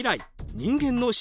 人間の舌？